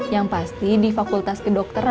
yang pasti di fakultas kedokteran